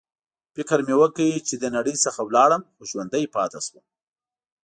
فکر مې وکړ چې له نړۍ څخه ولاړم، خو ژوندی پاتې شوم.